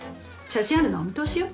写真あるのはお見通しよ。